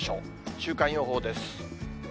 週間予報です。